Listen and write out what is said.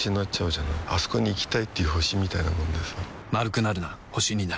あそこに行きたいっていう星みたいなもんでさ